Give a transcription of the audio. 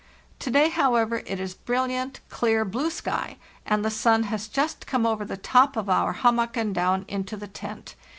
To day, however, it is brilliant, clear blue sky, and the sun has just come over the top of our hummock and down into the tent.